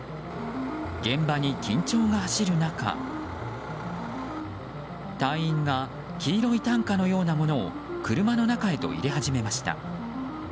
現場に緊張が走る中隊員が黄色い担架のようなものを車の中へと入れ始めました。